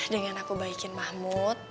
dengan aku baikin mahmud